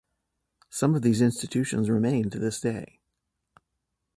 Some of these institutions remain to this day.